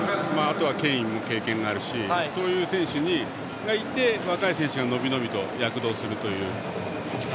ケインも経験があるしそういう選手がいて若い選手が伸び伸びと躍動するという。